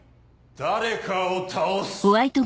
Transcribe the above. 「誰かを倒す」。